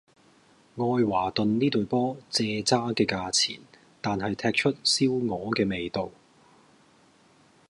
愛華頓呢隊波蔗渣嘅價錢,但係踢出燒鵝嘅味道